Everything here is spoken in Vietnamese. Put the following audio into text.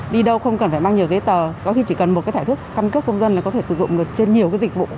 đi đâu không cần phải mang nhiều giấy tờ có khi chỉ cần một cái thẻ thức căn cước công dân là có thể sử dụng được trên nhiều cái dịch vụ